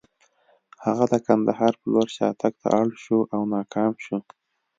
هغه د کندهار په لور شاتګ ته اړ شو او ناکام شو.